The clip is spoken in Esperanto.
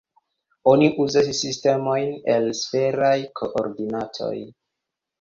Oni uzas sistemojn el sferaj koordinatoj.